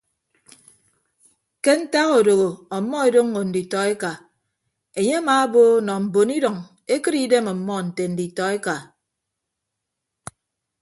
Ke ntak adooho ọmmọ edoñño nditọ eka enye amaabo nọ mbon idʌñ ekịt idem ọmmọ nte nditọeka.